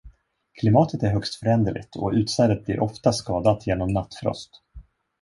Klimatet är högst föränderligt, och utsädet blir ofta skadat genom nattfrost.